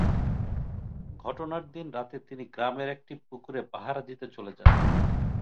ঘটনার দিন রাতে তিনি গ্রামের একটি পুকুরে পাহারা দিতে চলে যান।